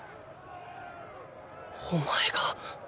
お前が。